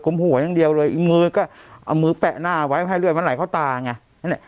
หัวอย่างเดียวเลยมือก็เอามือแปะหน้าไว้ให้เลือดมันไหลเข้าตาไง